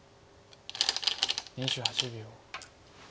２８秒。